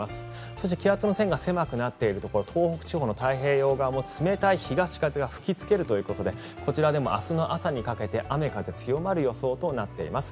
そして気圧の線が狭くなっているところ東北地方の太平洋側も冷たい東風が吹きつけるということでこちらでも明日の朝にかけて雨、風強まる予想となっています。